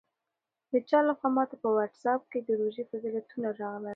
د چا لخوا ماته په واټساپ کې د روژې فضیلتونه راغلل.